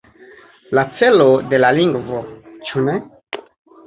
La celo de la lingvo, ĉu ne?